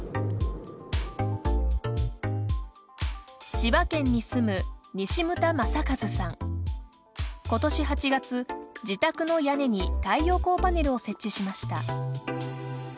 千葉県に住む今年８月自宅の屋根に太陽光パネルを設置しました。